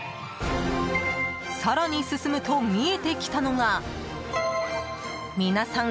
更に進むと見えてきたのが皆さん